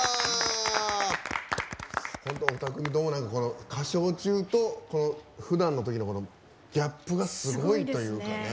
２組とも歌唱中とふだんのときのギャップがすごいというかね。